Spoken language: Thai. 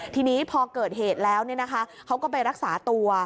ทีนี้พอเกิดเหตุแล้วเขาก็ไปรักษาตัว